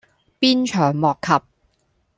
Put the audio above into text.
鞭長莫及